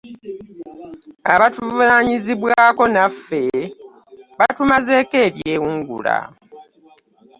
Abatuvunaanyizibwako naffe batumazeeko ebyewungula !